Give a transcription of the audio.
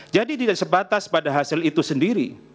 jadi tidak sebatas pada hasil itu sendiri